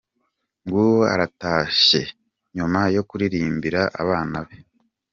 Nguwo aratashye nyuma yo kuririmbira abafana be.